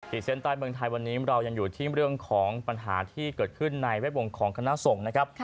เส้นใต้เมืองไทยวันนี้เรายังอยู่ที่เรื่องของปัญหาที่เกิดขึ้นในแวดวงของคณะสงฆ์นะครับ